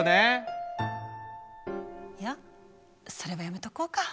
いやそれはやめとこうか。